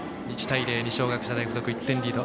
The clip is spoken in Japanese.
１対０、二松学舎大付属１点リード。